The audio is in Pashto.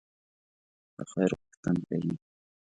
د خیر غوښتونکی یم.